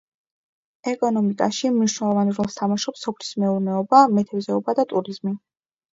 ეკონომიკაში მნიშვნელოვან როლს თამაშობს სოფლის მეურნეობა, მეთევზეობა და ტურიზმი.